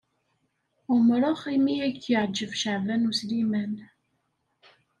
Umreɣ imi ay k-yeɛjeb Caɛban U Sliman.